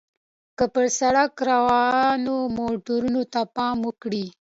که پر سړک روانو موټرو ته پام وکړئ.